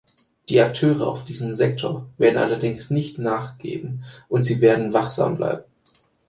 Die Akteure auf diesem Sektor werden allerdings nicht nachgeben und sie werden wachsam bleiben.